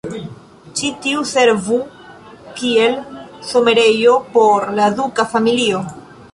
Ĉi tiu servu kiel somerejo por la duka familio.